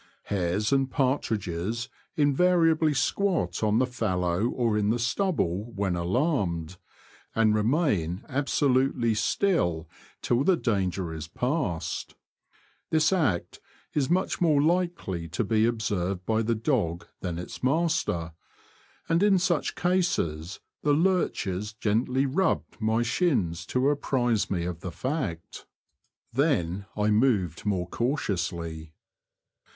Hares and partridges invariably squat on the fallow or in the stubble when alarmed, and re main absolutely still till the danger is passed. This act is much more likely to be observed by the dog than its master, and in such cases the lurchers gently rubbed my shins to apprise me of the fact. Then I moved more cau tiously.